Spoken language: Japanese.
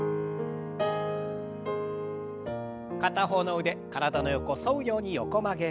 片方の腕体の横沿うように横曲げ。